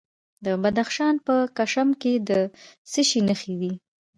د بدخشان په کشم کې د څه شي نښې دي؟